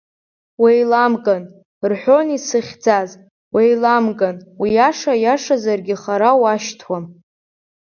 Уеиламган, – рҳәон исыхьӡаз, уеиламган, уиаша иашазаргьы хара уашьҭуам!